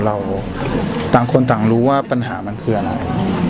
ต่างคนต่างรู้ว่าปัญหามันคืออะไร